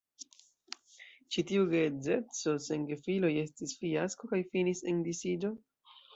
Ĉi tiu geedzeco sen gefiloj estis fiasko kaj finis en disiĝo.